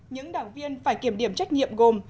những đảng viên phải kiểm điểm trách nhiệm gồm